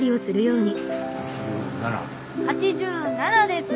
８７です！